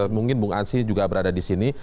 mungkin bung ansi juga berada di sini